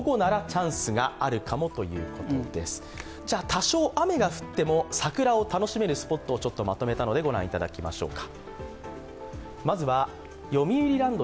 多少雨が降っても桜を楽しめるスポットをちょっとまとめたのでご覧いただきましょうか。